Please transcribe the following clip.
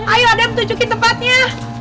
ayo adam tunjukin tempatnya